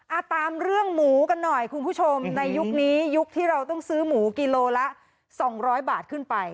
ตามเรื่องหมูกันหน่อยคุณผู้ชมในยุคนี้ยุคที่เราต้องซื้อหมูกิโลละสองร้อยบาทขึ้นไป